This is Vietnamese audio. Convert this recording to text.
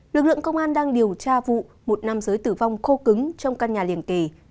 lực lượng công an đang điều tra vụ một nam giới tử vong khô cứng trong căn nhà liền kề